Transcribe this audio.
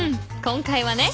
今回はね